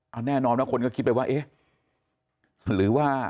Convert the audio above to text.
เอาแน่นอนนะคุณก็คิดไปว่าหรือว่า